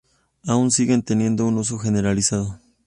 Aún siguen teniendo un uso generalizado.